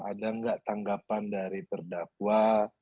ada nggak tanggapan dari terdakwa